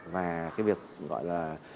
và cái việc gọi là